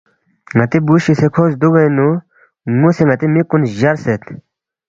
ن٘تی بُو شِسے کھوے زدُوگِنگ نُو نُ٘وسے ن٘تی مِک کُن جرسید